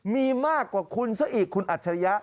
มีมากกว่าคุณซะอีกคุณอัจฉริยะ